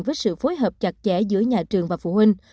với sự phối hợp chặt chẽ giữa nhà trường và phụ huynh